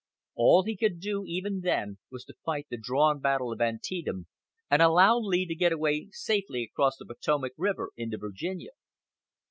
All he could do even then was to fight the drawn battle of Antietam, and allow Lee to get away safely across the Potomac River into Virginia.